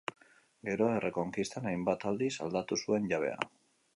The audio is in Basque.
Gero, errekonkistan hainbat aldiz aldatu zuen jabea.